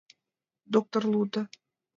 Доктор лудо: